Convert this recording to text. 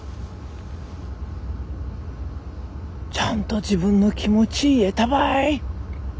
ちゃんと自分の気持ち言えたばい。